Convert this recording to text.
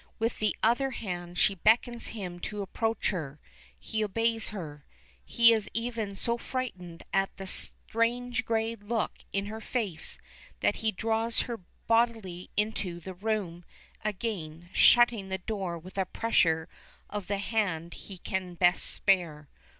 With the other hand she beckons him to approach her. He obeys her. He is even so frightened at the strange gray look in her face that he draws her bodily into the room again, shutting the door with a pressure of the hand he can best spare.